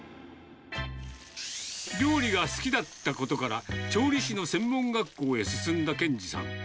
料理が好きだったことから、調理師の専門学校へ進んだ賢治さん。